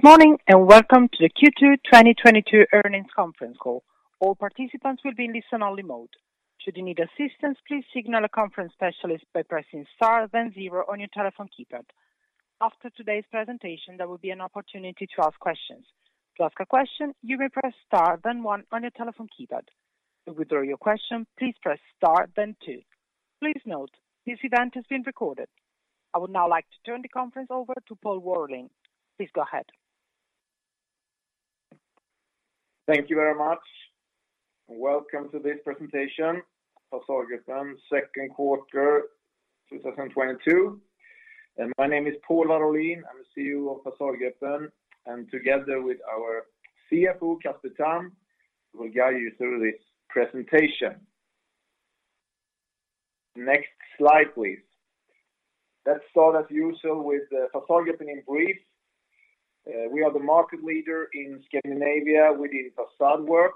Good morning, and welcome to the Q2 2022 earnings conference call. All participants will be in listen only mode. Should you need assistance, please signal a conference specialist by pressing star then zero on your telephone keypad. After today's presentation, there will be an opportunity to ask questions. To ask a question, you may press star then one on your telephone keypad. To withdraw your question, please press star then two. Please note, this event is being recorded. I would now like to turn the conference over to Pål Warolin. Please go ahead. Thank you very much, and welcome to this presentation, Fasadgruppen second quarter 2022. My name is Pål Warolin, I'm the CEO of Fasadgruppen, and together with our CFO, Casper Tamm, we'll guide you through this presentation. Next slide, please. Let's start as usual with Fasadgruppen in brief. We are the market leader in Scandinavia within façade work.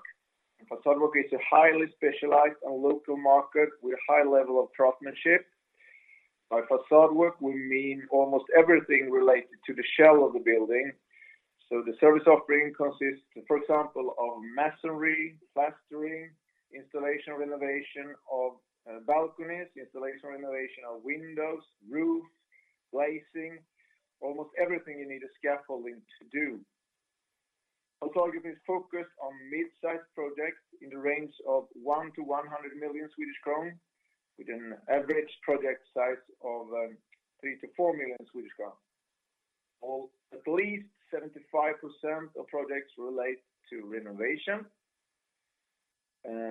Façade work is a highly specialized and local market with a high level of craftsmanship. By façade work, we mean almost everything related to the shell of the building. The service offering consists, for example, of masonry, plastering, installation and renovation of balconies, installation and renovation of windows, roofs, glazing, almost everything you need a scaffolding to do. Fasadgruppen is focused on mid-sized projects in the range of 1 million-100 million Swedish krona, with an average project size of 3 million-4 million Swedish krona. At least 75% of projects relate to renovation.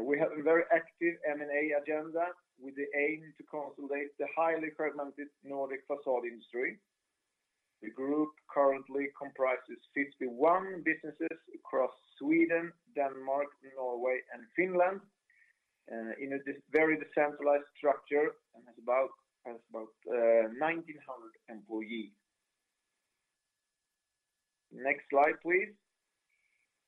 We have a very active M&A agenda with the aim to consolidate the highly fragmented Nordic façade industry. The group currently comprises 61 businesses across Sweden, Denmark, Norway, and Finland, in a very decentralized structure, and has about 1,900 employees. Next slide, please.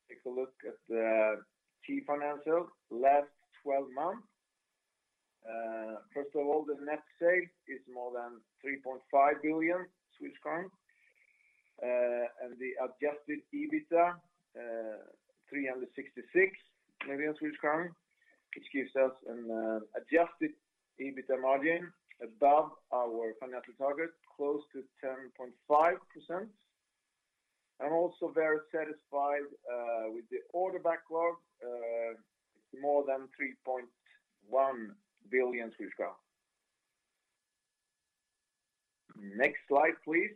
Take a look at the key financials, last twelve months. First of all, the net sales is more than SEK 3.5 billion. And the adjusted EBITDA, SEK 366 million, which gives us an adjusted EBITDA margin above our financial target, close to 10.5%. I'm also very satisfied with the order backlog. It's more than SEK 3.1 billion. Next slide, please.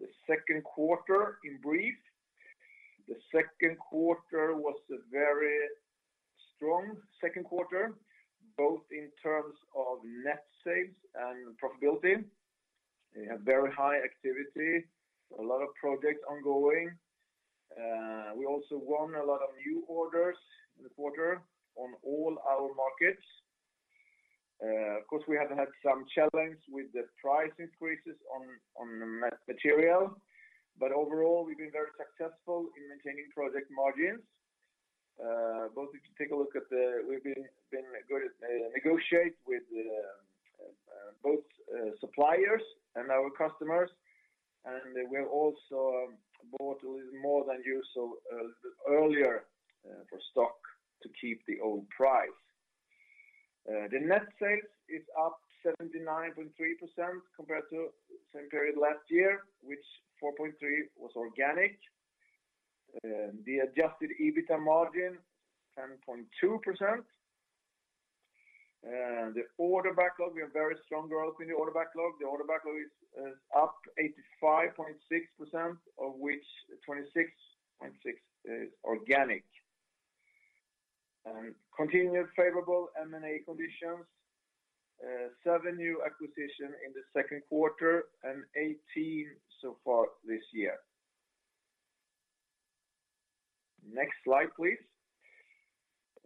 The second quarter in brief. The second quarter was a very strong second quarter, both in terms of net sales and profitability. A very high activity, a lot of projects ongoing. We also won a lot of new orders in the quarter on all our markets. Of course, we have had some challenge with the price increases on material, but overall, we've been very successful in maintaining project margins. We've been good at negotiate with both suppliers and our customers, and we've also bought a little more than usual earlier for stock to keep the old price. The net sales is up 79.3% compared to same period last year, which 4.3 was organic. The adjusted EBITDA margin 10.2%. The order backlog, we have very strong growth in the order backlog. The order backlog is up 85.6%, of which 26.6% is organic. Continued favorable M&A conditions. Seven new acquisitions in the second quarter and 18 so far this year. Next slide, please.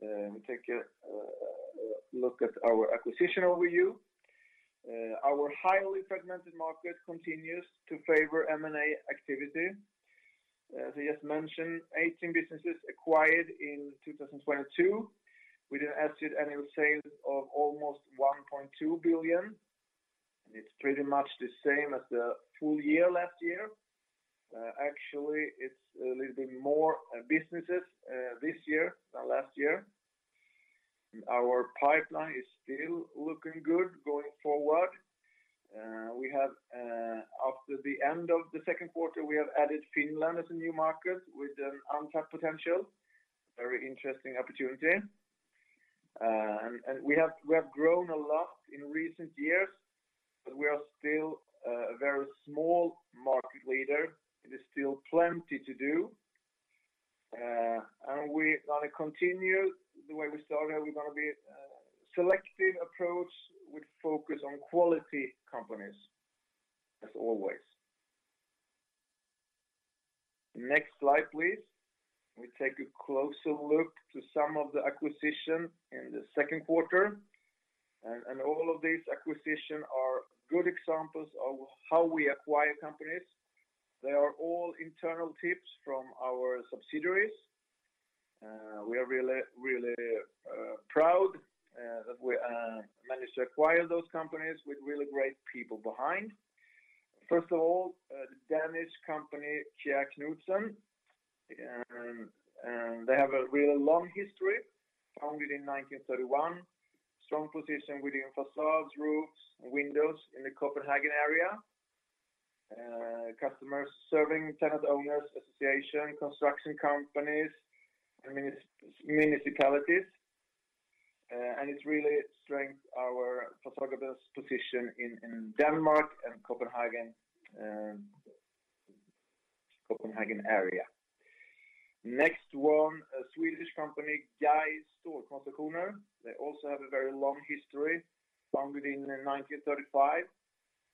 We take a look at our acquisition overview. Our highly fragmented market continues to favor M&A activity. As I just mentioned, 18 businesses acquired in 2022. We did an estimated annual sales of almost 1.2 billion, and it's pretty much the same as the full year last year. Actually, it's a little bit more businesses this year than last year. Our pipeline is still looking good going forward. We have. After the end of the second quarter, we have added Finland as a new market with an untapped potential. Very interesting opportunity. We have grown a lot in recent years, but we are still a very small market leader. It is still plenty to do. We want to continue the way we started. We want to be selective approach with focus on quality companies, as always. Next slide, please. We take a closer look at some of the acquisitions in the second quarter. All of these acquisitions are good examples of how we acquire companies. They are all internal tips from our subsidiaries. We are really proud that we managed to acquire those companies with really great people behind. First of all, the Danish company, Kjær Knudsen. They have a really long history, founded in 1931, strong position within facades, roofs, and windows in the Copenhagen area. Customers serving tenant owners, association, construction companies, and municipalities. It really strengthened our Fasadgruppen position in Denmark and Copenhagen area. Next one, a Swedish company, GAJ Stålkonstruktioner AB. They also have a very long history, founded in 1935,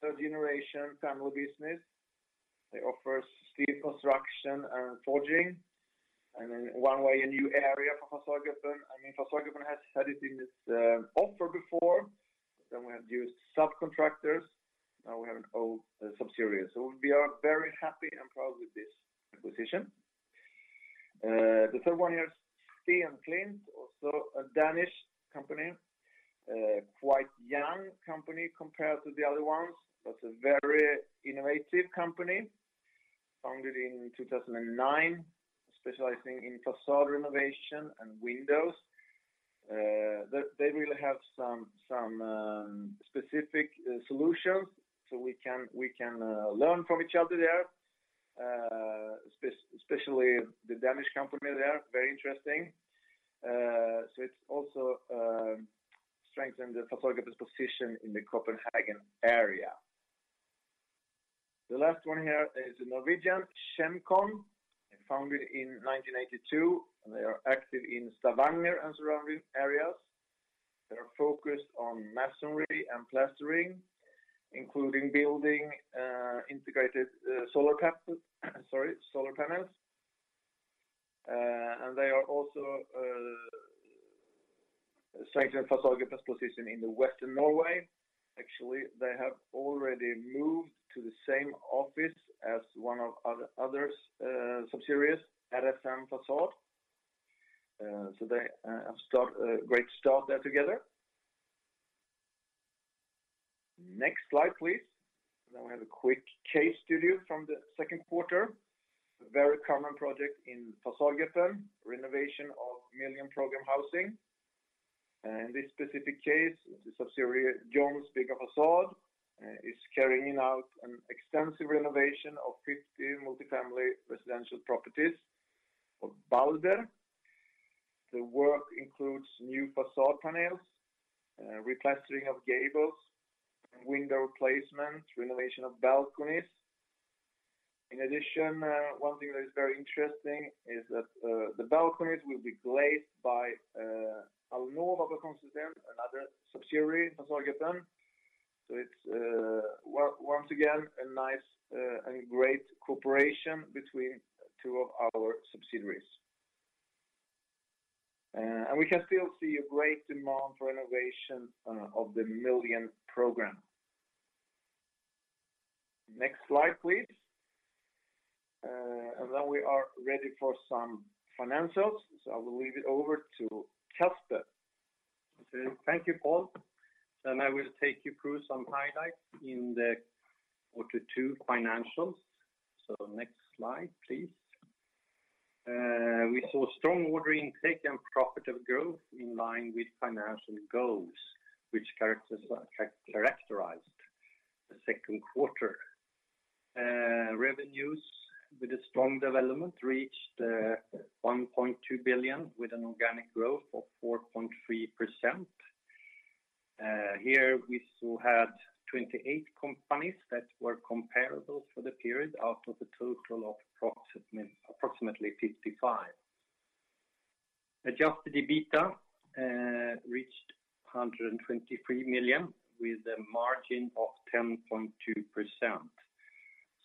third generation family business. They offer steel construction and forging, and in one way, a new area for Fasadgruppen. I mean, Fasadgruppen has had it in its offer before, then we have used subcontractors. Now we have an own subsidiary. We are very happy and proud with this acquisition. The third one here is Stenklint, also a Danish company. Quite young company compared to the other ones, but a very innovative company, founded in 2009, specializing in facade renovation and windows. They really have some specific solutions, so we can learn from each other there, especially the Danish company there, very interesting. It's also strengthened the Fasadgruppen position in the Copenhagen area. The last one here is a Norwegian, Chem-Con AS, founded in 1982, and they are active in Stavanger and surrounding areas. They are focused on masonry and plastering, including building integrated solar panels. They are also strengthening Fasadgruppen position in the western Norway. Actually, they have already moved to the same office as one of our subsidiaries, RSM Fasade AS. They have a great start there together. Next slide, please. We have a quick case study from the second quarter. A very common project in Fasadgruppen, renovation of Million Programme housing. In this specific case, the subsidiary, Johns Bygg & Fasad, is carrying out an extensive renovation of 50 multifamily residential properties of Balder. The work includes new facade panels, replastering of gables, window replacement, renovation of balconies. In addition, one thing that is very interesting is that, the balconies will be glazed by, Alnova Balkongsystem, another subsidiary of Fasadgruppen. It's once again, a nice, and great cooperation between two of our subsidiaries. We can still see a great demand for renovation, of the Million Programme. Next slide, please. We are ready for some financials. I will leave it over to Casper. Thank you, Pål. I will take you through some highlights in the quarter two financials. Next slide, please. We saw strong order intake and profitable growth in line with financial goals, which characterized the second quarter. Revenues with a strong development reached 1.2 billion with an organic growth of 4.3%. Here we still had 28 companies that were comparable for the period out of a total of approximately 55. Adjusted EBITDA reached 123 million with a margin of 10.2%.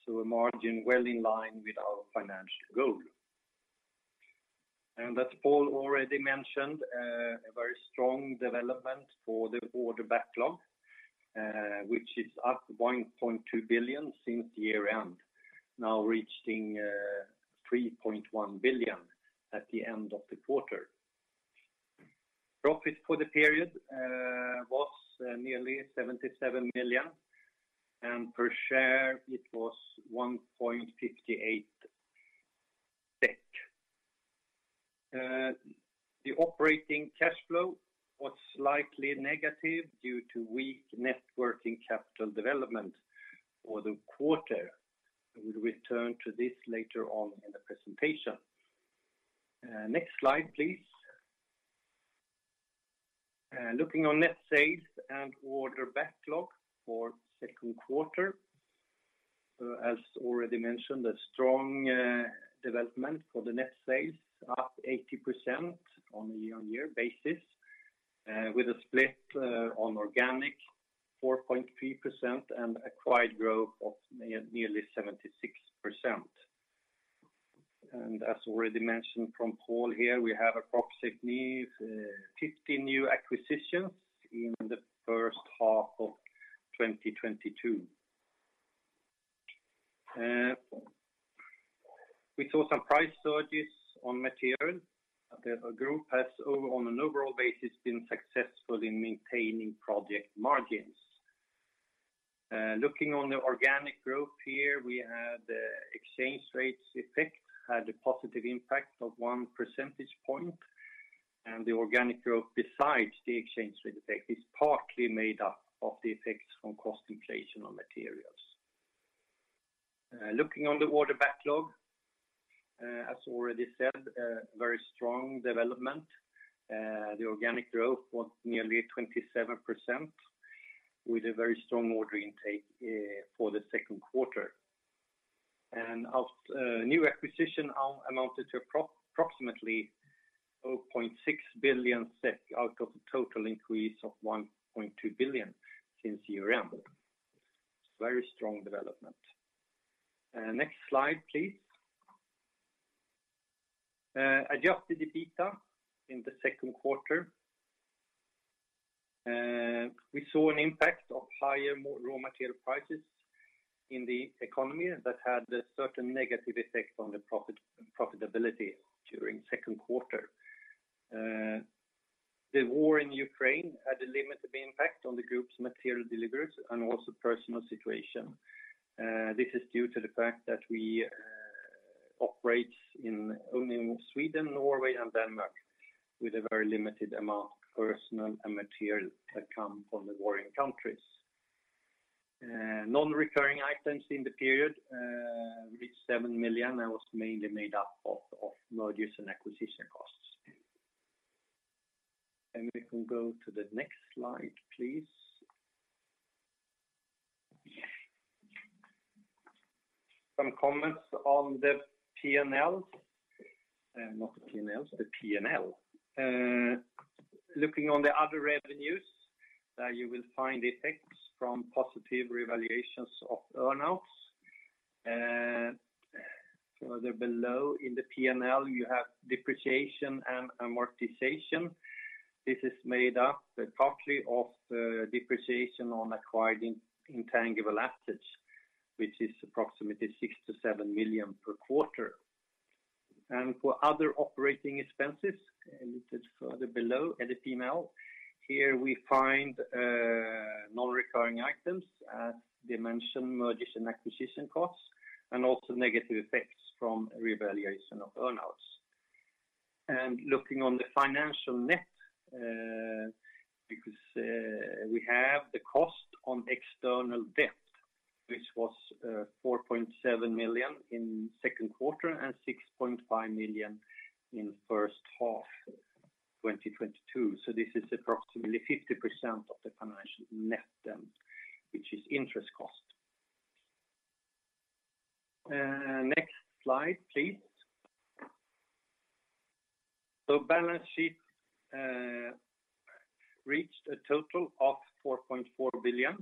A margin well in line with our financial goal. As Pål already mentioned, a very strong development for the order backlog, which is at 1.2 billion since year-end, now reaching 3.1 billion at the end of the quarter. Profit for the period was nearly 77 million, and per share it was 1.58. The operating cash flow was slightly negative due to weak net working capital development for the quarter. I will return to this later on in the presentation. Next slide, please. Looking on net sales and order backlog for second quarter. As already mentioned, a strong development for the net sales, up 80% on a year-on-year basis, with a split on organic 4.3% and acquired growth of nearly 76%. As already mentioned from Pål here, we have approximately 50 new acquisitions in the first half of 2022. We saw some price surges on material. The group has on an overall basis been successful in maintaining project margins. Looking on the organic growth here, we had the exchange rates effect, had a positive impact of 1 percentage point, and the organic growth besides the exchange rate effect is partly made up of the effects from cost inflation on materials. Looking on the order backlog, as already said, a very strong development. The organic growth was nearly 27% with a very strong order intake for the second quarter. Of new acquisition amounted to approximately 0.6 billion SEK out of the total increase of 1.2 billion since year-end. Very strong development. Next slide, please. Adjusted EBITDA in the second quarter, we saw an impact of higher raw material prices in the economy that had a certain negative effect on the profitability during second quarter. The war in Ukraine had a limited impact on the group's material deliveries and also personnel situation. This is due to the fact that we operate in only Sweden, Norway, and Denmark with a very limited amount of personnel and material that come from the warring countries. Non-recurring items in the period reached 7 million that was mainly made up of mergers and acquisition costs. We can go to the next slide, please. Some comments on the P&Ls, not the P&Ls, the P&L. Looking on the other revenues, you will find effects from positive revaluations of earnouts. Further below in the P&L, you have depreciation and amortization. This is made up partly of the depreciation on acquired intangible assets, which is approximately 6 million-7 million per quarter. For other operating expenses, a little further below at the P&L, here we find non-recurring items as mentioned mergers and acquisition costs, and also negative effects from revaluation of earnouts. Looking on the financial net, because we have the cost on external debt, which was 4.7 million in second quarter and 6.5 million in first half 2022. This is approximately 50% of the financial net then, which is interest cost. Next slide, please. Balance sheet reached a total of 4.4 billion.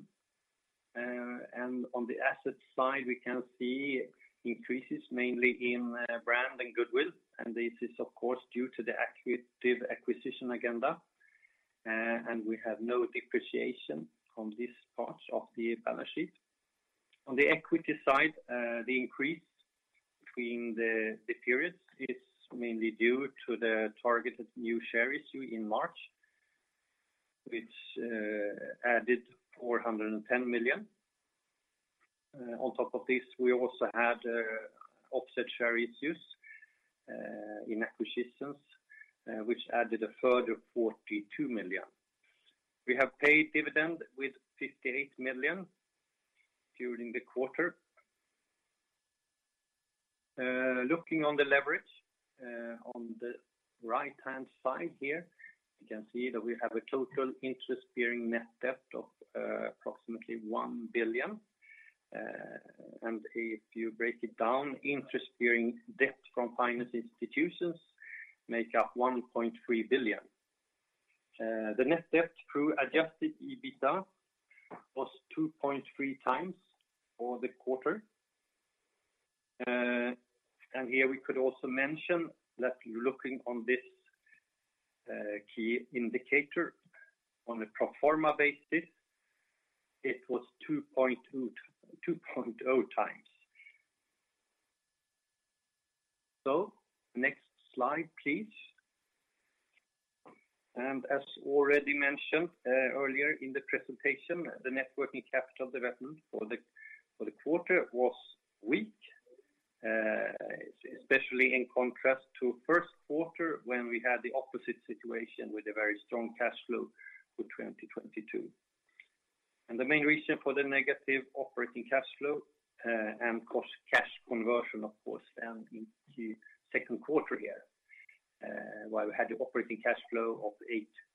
And on the asset side, we can see increases mainly in brand and goodwill, and this is of course due to the acquisition agenda. And we have no depreciation on this part of the balance sheet. On the equity side, the increase between the periods is mainly due to the targeted new share issue in March, which added 410 million. On top of this, we also had offset share issues in acquisitions, which added a further 42 million. We have paid dividend with 58 million during the quarter. Looking on the leverage, on the right-hand side here, you can see that we have a total interest-bearing net debt of approximately 1 billion. And if you break it down, interest-bearing debt from financial institutions make up 1.3 billion. The net debt to adjusted EBITDA was 2.3x for the quarter. Here we could also mention that looking on this key indicator on a pro forma basis, it was 2.0x. Next slide, please. As already mentioned earlier in the presentation, the net working capital development for the quarter was weak, especially in contrast to first quarter when we had the opposite situation with a very strong cash flow for 2022. The main reason for the negative operating cash flow and cash conversion of course down in the second quarter here, while we had the operating cash flow of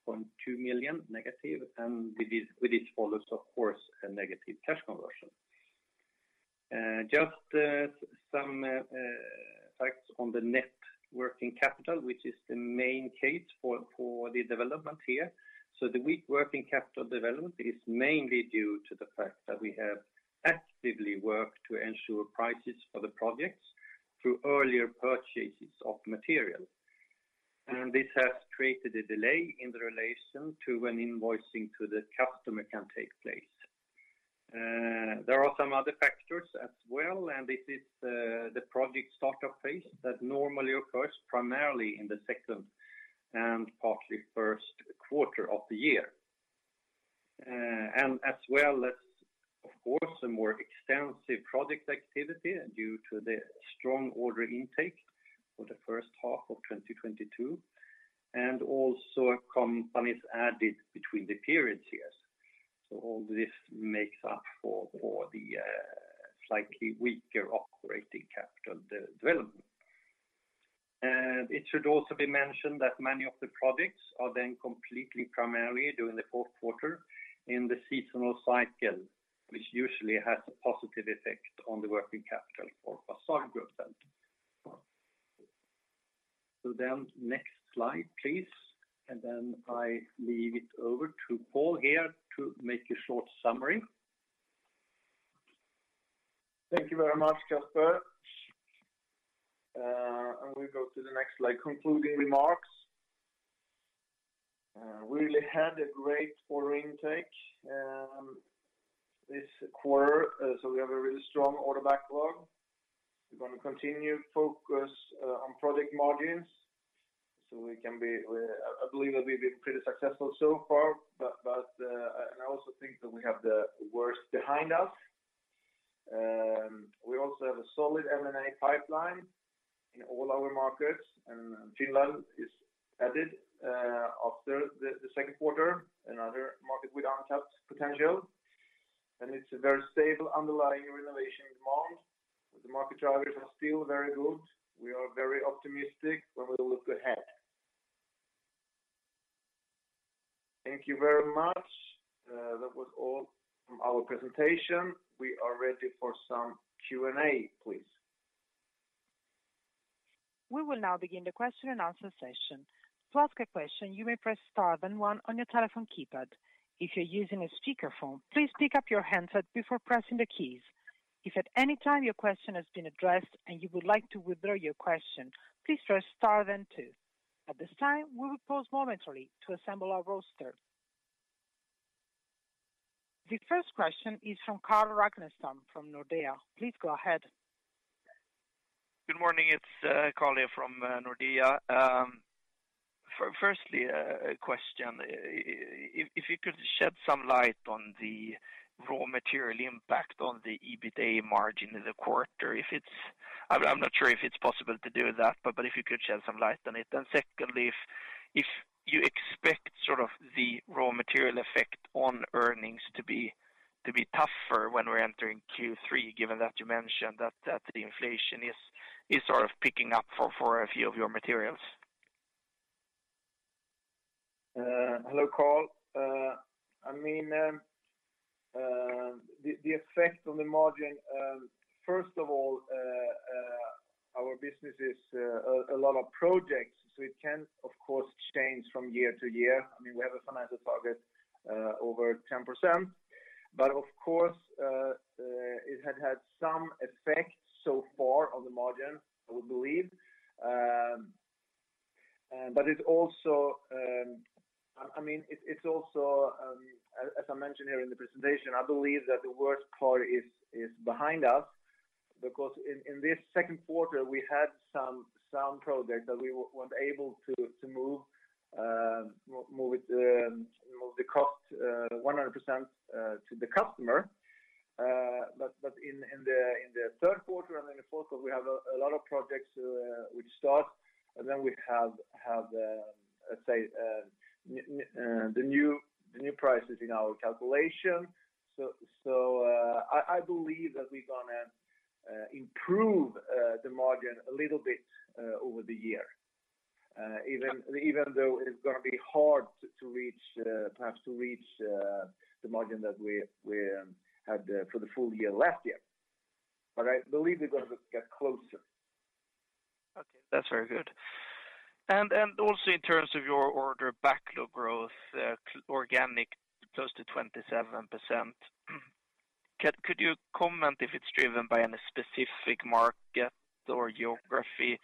-8.2 million and it follows of course a negative cash conversion. Just some facts on the net working capital, which is the main cause for the development here. The weak working capital development is mainly due to the fact that we have actively worked to ensure prices for the projects through earlier purchases of material. And this has created a delay in relation to when invoicing to the customer can take place. There are some other factors as well, and this is the project startup phase that normally occurs primarily in the second and partly first quarter of the year. And as well as, of course, a more extensive project activity due to the strong order intake for the first half of 2022, and also companies added between the periods years. All this makes up for the slightly weaker working capital development. It should also be mentioned that many of the projects are then completed primarily during the fourth quarter in the seasonal cycle, which usually has a positive effect on the working capital for Fasadgruppen Group then. Next slide, please, and then I hand it over to Pål Warolin here to make a short summary. Thank you very much, Casper. We go to the next slide, concluding remarks. Really had a great order intake this quarter, so we have a really strong order backlog. We're gonna continue focus on project margins. I believe that we've been pretty successful so far, but and I also think that we have the worst behind us. We also have a solid M&A pipeline in all our markets, and Finland is added after the second quarter, another market with untapped potential. It's a very stable underlying renovation demand. The market drivers are still very good. We are very optimistic when we look ahead. Thank you very much. That was all from our presentation. We are ready for some Q&A, please. We will now begin the question and answer session. To ask a question, you may press star then one on your telephone keypad. If you're using a speaker phone, please pick up your handset before pressing the keys. If at any time your question has been addressed and you would like to withdraw your question, please press star then two. At this time, we will pause momentarily to assemble our roster. The first question is from Carl Ragnerstam from Nordea. Please go ahead. Good morning, it's Carl Ragnerstam from Nordea. Firstly, a question. If you could shed some light on the raw material impact on the EBITA margin in the quarter. I'm not sure if it's possible to do that, but if you could shed some light on it. Secondly, if you expect sort of the raw material effect on earnings to be tougher when we're entering Q3, given that you mentioned that the inflation is sort of picking up for a few of your materials. Hello, Carl. I mean, the effect on the margin, first of all, our business is a lot of projects, so it can, of course, change from year to year. I mean, we have a financial target over 10%. Of course, it had some effect so far on the margin, I would believe. It also, I mean, it's also, as I mentioned here in the presentation, I believe that the worst part is behind us because in this second quarter, we had some projects that we were able to move the cost 100% to the customer. In the third quarter and in the fourth quarter, we have a lot of projects which start, and then we have let's say the new prices in our calculation. I believe that we're gonna improve the margin a little bit over the year, even though it's gonna be hard to reach, perhaps to reach, the margin that we had for the full year last year. I believe we're gonna get closer. Okay. That's very good. Also in terms of your order backlog growth, organic close to 27%. Could you comment if it's driven by any specific market or geography?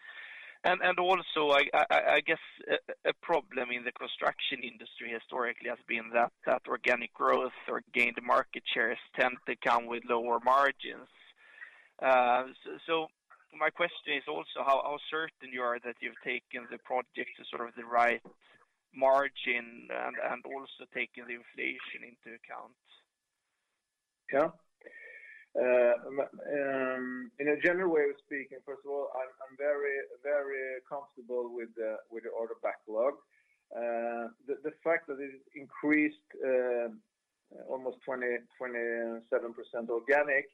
I guess a problem in the construction industry historically has been that organic growth or gained market shares tend to come with lower margins. My question is also how certain you are that you've taken the project to sort of the right margin and also taken the inflation into account. Yeah. In a general way of speaking, first of all, I'm very, very comfortable with the order backlog. The fact that it increased almost 27% organic.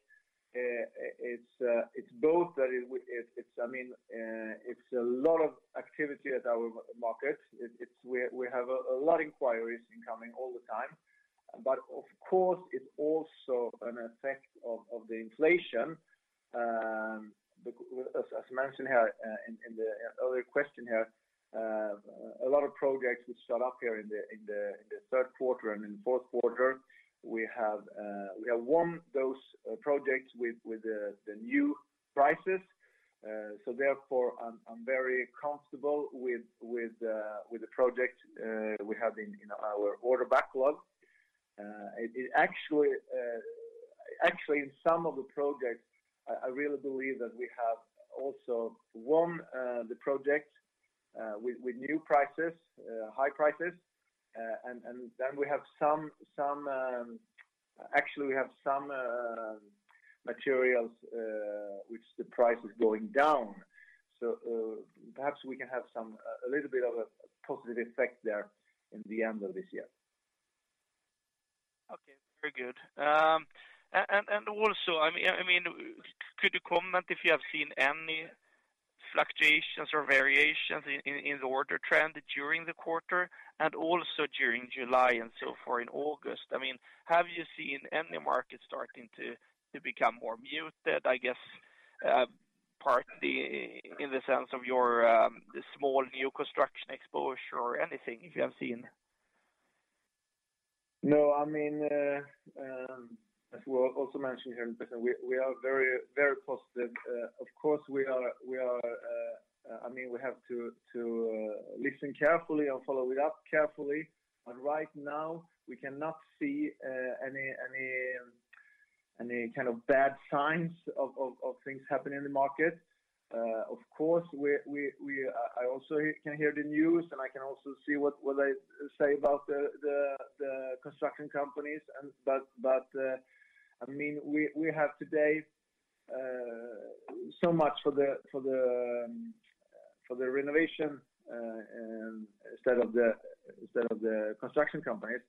It's both that it's, I mean, it's a lot of activity at our markets. We have a lot of inquiries incoming all the time. Of course, it's also an effect of the inflation, as mentioned here, in the earlier question here. A lot of projects which start up here in the third quarter and in fourth quarter, we have won those projects with the new prices. I'm very comfortable with the project we have in our order backlog. It actually in some of the projects, I really believe that we have also won the project with new prices, high prices. Then we have some materials which the price is going down. Perhaps we can have a little bit of a positive effect there in the end of this year. Okay, very good. Also, I mean, could you comment if you have seen any fluctuations or variations in the order trend during the quarter and also during July and so far in August? I mean, have you seen any market starting to become more muted, I guess, partly in the sense of your small new construction exposure or anything if you have seen? No, I mean, as we'll also mention here, but we are very positive. Of course, we are. I mean, we have to listen carefully and follow it up carefully. Right now, we cannot see any kind of bad signs of things happening in the market. Of course, I also can hear the news, and I can also see what they say about the construction companies. I mean, we have today so much for the renovation instead of the construction companies.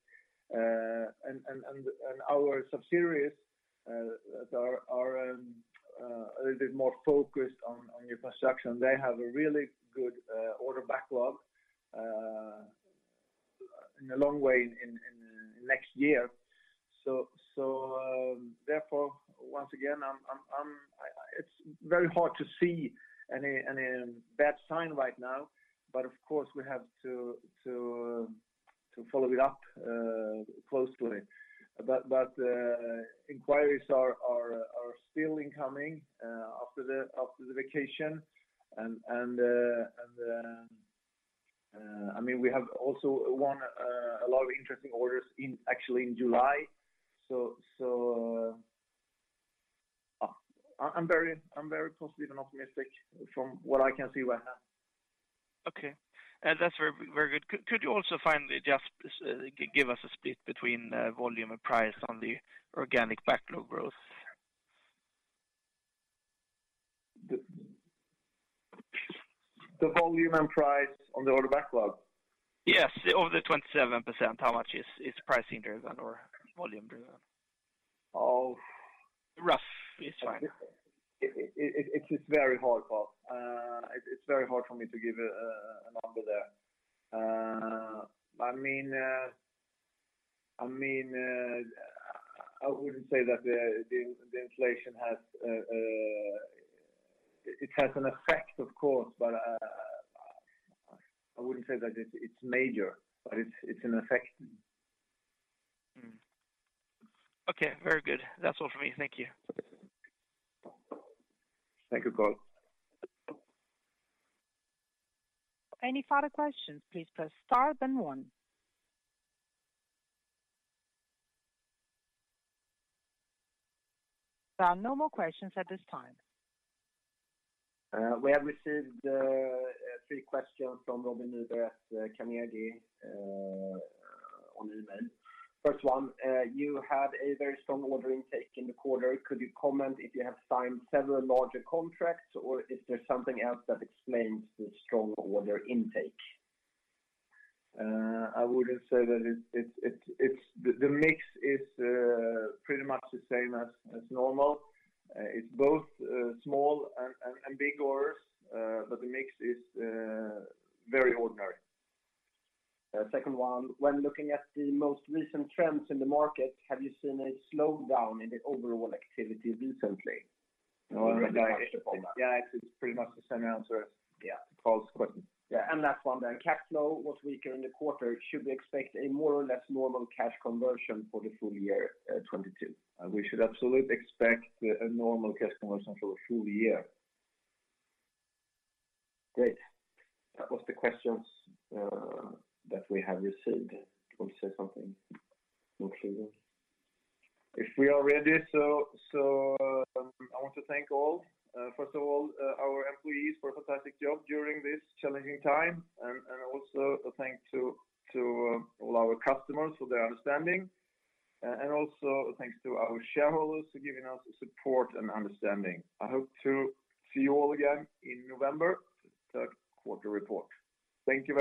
Our subsidiaries that are a little bit more focused on new construction. They have a really good order backlog in a long way into next year. Therefore, once again, it's very hard to see any bad sign right now. Of course, we have to follow it up closely. Inquiries are still incoming after the vacation. I mean, we have also won a lot of interesting orders, actually in July. I'm very positive and optimistic from what I can see right now. Okay. That's very, very good. Could you also finally just give us a split between volume and price on the organic backlog growth? The volume and price on the order backlog? Yes. Of the 27%, how much is price-driven or volume-driven? Oh. Rough is fine. It is very hard, Carl. It's very hard for me to give a number there. I mean, it has an effect, of course, but I wouldn't say that it's major, but it's an effect. Okay, very good. That's all for me. Thank you. Thank you, Carl. Any further questions? Please press star then one. There are no more questions at this time. We have received three questions from Elvin Rolder at Carnegie on email. First one. You had a very strong order intake in the quarter. Could you comment if you have signed several larger contracts, or is there something else that explains the strong order intake? I wouldn't say that the mix is pretty much the same as normal. It's both small and big orders, but the mix is very ordinary. Second one, when looking at the most recent trends in the market, have you seen a slowdown in the overall activity recently? Yeah, it's pretty much the same answer as. Yeah. Carl question. Yeah, last one then. Cash flow was weaker in the quarter. Should we expect a more or less normal cash conversion for the full year, 2022? We should absolutely expect a normal cash conversion for the full year. Great. That was the questions, that we have received. Do you want to say something in conclusion? If we are ready. I want to thank all, first of all, our employees for a fantastic job during this challenging time, and also a thanks to all our customers for their understanding. Also thanks to our shareholders for giving us support and understanding. I hope to see you all again in November for the third quarter report. Thank you very much.